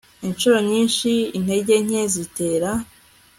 Inshuro nyinshi intege nke zitera